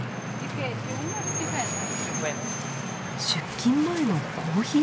出勤前のコーヒー。